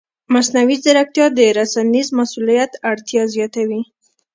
مصنوعي ځیرکتیا د رسنیز مسؤلیت اړتیا زیاتوي.